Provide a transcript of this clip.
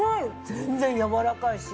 全然やわらかいし。